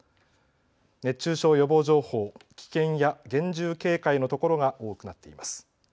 熱中症予防情報、危険や厳重警戒のところが多くなっています。